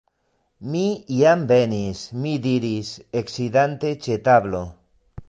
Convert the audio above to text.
Mi jam venis! mi diris, eksidante ĉe tablo.